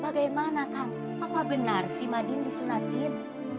bagaimana kang apa benar si madin disunat jin